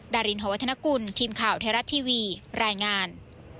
ดารินหอวัฒนกุลทีมข่าวไทยรัฐทีวีรายงาน